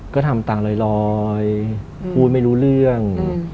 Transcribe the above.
ก็ทำตามลอยพูดไม่รู้เรื่อง